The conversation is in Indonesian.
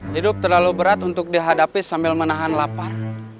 hidup terlalu berat untuk dihadapi sambil menahan lapar